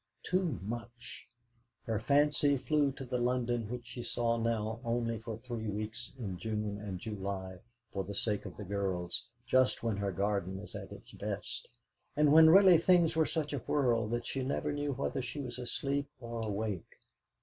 Too much Her fancy flew to the London which she saw now only for three weeks in June and July, for the sake of the girls, just when her garden was at its best, and when really things were such a whirl that she never knew whether she was asleep or awake.